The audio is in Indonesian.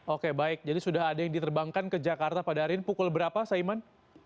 oke baik jadi sudah ada yang diterbangkan ke jakarta pada hari ini pukul berapa saiman